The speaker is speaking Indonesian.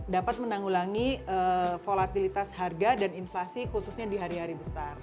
dapat menanggulangi volatilitas harga dan inflasi khususnya di hari hari besar